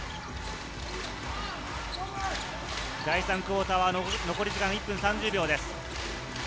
第３クオーターは残り時間１分３０秒です。